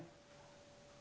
sebagai pemotong padi